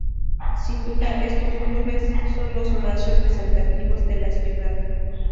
Sin duda estos clubes son los más representativos de la ciudad.